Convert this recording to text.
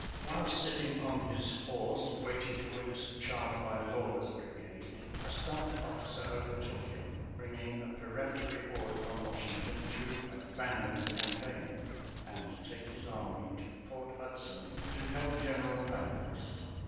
_ While sitting on his horse waiting to witness a charge by Lawler's brigade, a staff officer overtook him, bringing a peremptory order from Washington to abandon the campaign and take his army to Port Hudson to help General Banks.